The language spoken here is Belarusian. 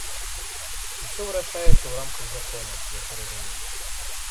Усё вырашаецца ў рамках закону, як вы разумееце.